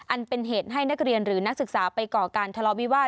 อันเป็นเหตุให้นักเรียนหรือนักศึกษาไปก่อการทะเลาวิวาส